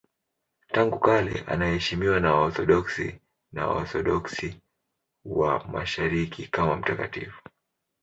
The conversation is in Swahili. Tangu kale anaheshimiwa na Waorthodoksi na Waorthodoksi wa Mashariki kama mtakatifu.